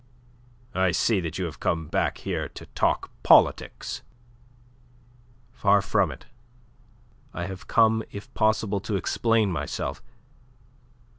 "I see that you have come here to talk politics." "Far from it. I have come, if possible, to explain myself.